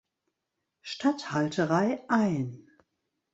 Statthalterei ein.